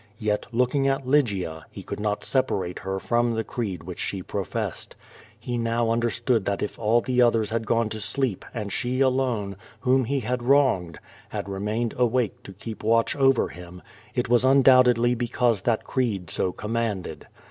Yet, looking at Lygia, he could not separate her from the creed which she professed. He now understood that if all the others had gone to sleep and she alone, whom he had wronged, had remained awake to keep watch over him, it was undoubtedly because that creed so commanded.